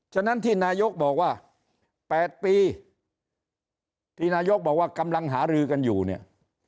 ฉะนั้นที่นายกบอกว่า๘ปีที่นายกบอกว่ากำลังหารือกันอยู่เนี่ย